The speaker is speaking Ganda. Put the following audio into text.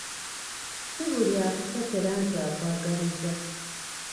Si buli akusekera nti akwagaliza.